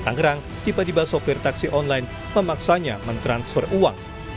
tangerang tiba tiba sopir taksi online memaksanya mentransfer uang